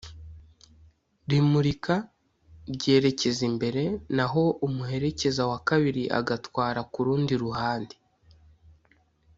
Rimurika ryerekeza imbere naho umuherekeza wa kabiri agatwara ku rundi ruhande